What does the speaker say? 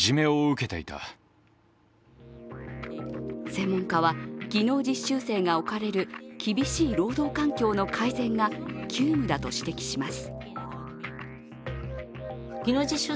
専門家は、技能実習生が置かれる厳しい労働環境の改善が急務だと指摘します。